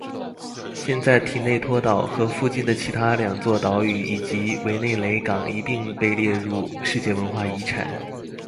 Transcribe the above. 现在提内托岛和附近的其他两座岛屿以及韦内雷港一并被列入世界文化遗产。